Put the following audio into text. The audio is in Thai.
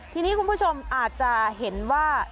ทีนี้คุณผู้ชมอาจจะเห็นว่า